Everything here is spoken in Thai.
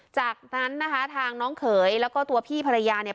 จากนั้นนะคะทางน้องเขยแล้วก็ตัวพี่ภรรยาเนี่ย